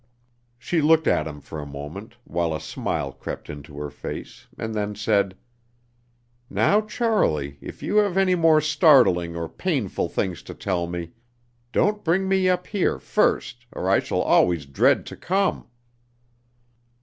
She looked at him for a moment, while a smile crept into her face, and then said: "Now, Charlie, if you have any more startling or painful things to tell me, don't bring me up here first, or I shall always dread to come."